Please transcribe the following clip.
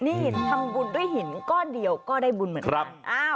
นี่ทำบุญด้วยหินก้อนเดียวก็ได้บุญเหมือนกัน